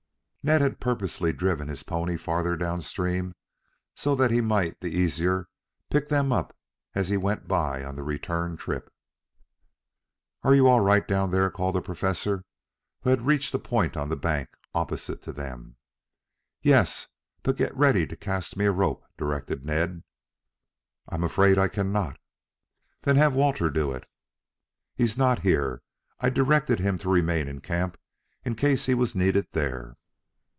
Ned had purposely driven his pony further down stream so that he might the easier pick them up as he went by on the return trip. "Are you all right down there?" called the Professor, who had reached a point on the bank opposite to them. "Yes, but get ready to cast me a rope," directed Ned. "I'm afraid I cannot." "Then have Walter do it." "He is not here. I directed him to remain in camp in case he was needed there."